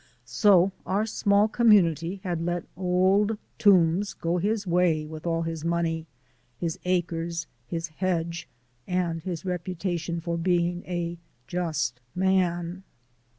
So our small community had let Old Toombs go his way with all his money, his acres, his hedge, and his reputation for being a just man.